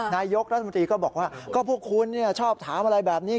นายกรัฐมนตรีก็บอกว่าก็พวกคุณชอบถามอะไรแบบนี้